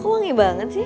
kok wangi banget sih